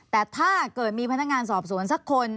แต่ถ้าเกิดมีพนักงานสอบสวนสักคน